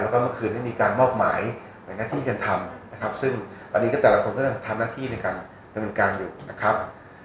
แล้วก็เมื่อคืนนี้มีการมอบหมายหมายหน้าที่กันทำนะครับซึ่งตอนนี้ก็แต่ละคนก็ยังทำหน้าที่ในการดำเนินการอยู่นะครับ